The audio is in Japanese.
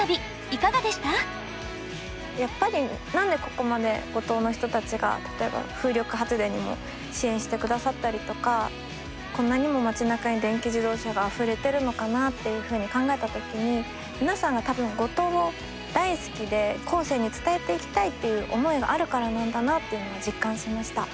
やっぱり何でここまで五島の人たちが例えば風力発電にも支援してくださったりとかこんなにも町なかに電気自動車があふれてるのかなっていうふうに考えた時に皆さんが多分五島を大好きで後世に伝えていきたいっていう思いがあるからなんだなっていうのは実感しました。